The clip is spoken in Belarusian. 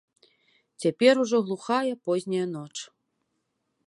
Цяпер ужо глухая позняя ноч.